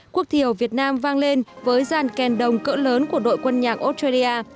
quốc thiều việt nam vang lên với gian kèn đồng cỡ lớn của đội quân nhạc australia